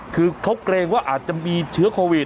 คือเขาเกรงว่าอาจจะมีเชื้อโควิด